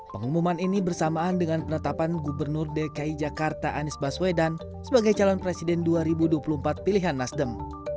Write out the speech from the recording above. pengumuman ini bersamaan dengan penetapan gubernur dki jakarta anies baswedan sebagai calon presiden dua ribu dua puluh empat pilihan nasdem